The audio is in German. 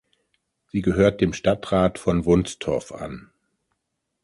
Sie gehört dem Stadtrat von Wunstorf an.